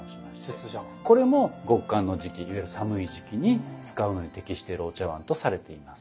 これも極寒の時期いわゆる寒い時期に使うのに適しているお茶碗とされています。